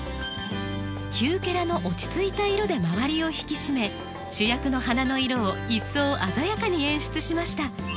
ヒューケラの落ち着いた色で周りを引き締め主役の花の色を一層鮮やかに演出しました。